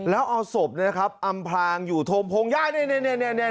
แล้วเอาศพเนี่ยครับอำพลางอยู่พงยาเนี่ยเนี่ยเนี่ย